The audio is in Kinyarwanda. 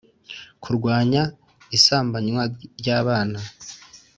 kurwanya isambanywa ry’abana